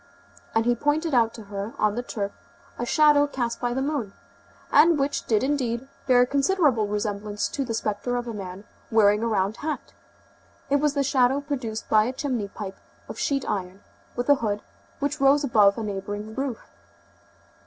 And he pointed out to her on the turf a shadow cast by the moon, and which did indeed, bear considerable resemblance to the spectre of a man wearing a round hat. It was the shadow produced by a chimney pipe of sheet iron, with a hood, which rose above a neighboring roof.